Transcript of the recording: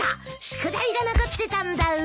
宿題が残ってたんだ。